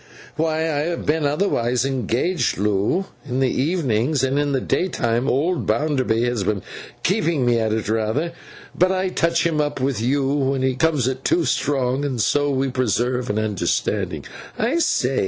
'Why, I have been otherwise engaged, Loo, in the evenings; and in the daytime old Bounderby has been keeping me at it rather. But I touch him up with you when he comes it too strong, and so we preserve an understanding. I say!